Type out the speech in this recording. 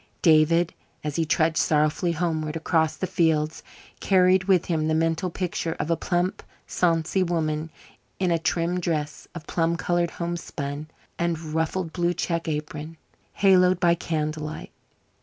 David, as he trudged sorrowfully homeward across the fields, carried with him the mental picture of a plump, sonsy woman, in a trim dress of plum coloured homespun and ruffled blue check apron, haloed by candlelight.